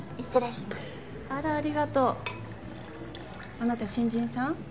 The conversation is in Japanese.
あなた新人さん？